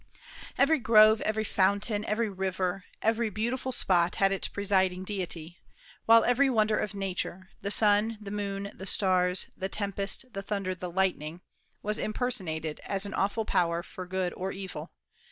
Every grove, every fountain, every river, every beautiful spot, had its presiding deity; while every wonder of Nature, the sun, the moon, the stars, the tempest, the thunder, the lightning, was impersonated as an awful power for good or evil.